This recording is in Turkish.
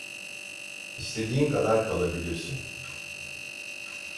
İstediğin kadar kalabilirsin.